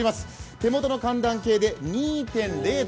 手元の寒暖計で２．０度。